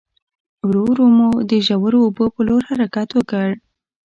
ورو ورو مو د ژورو اوبو په لور حرکت وکړ.